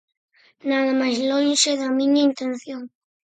Nada máis lonxe da miña intención.